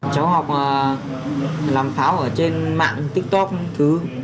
cháu học làm pháo ở trên mạng tiktok